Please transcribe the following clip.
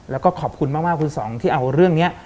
แล้วก็ขอบคุณมากคุณสองที่เอาเรื่องนี้